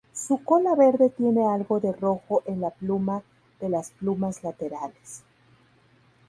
Su cola verde tiene algo de rojo en la pluma de las plumas laterales.